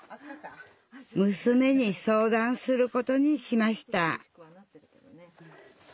むすめに相談することにしました